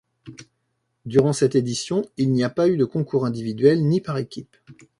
Durant cette édition, il n'y a pas eu de concours individuel ni par équipe.